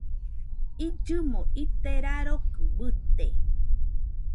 Illɨmo ite rarokɨ bɨte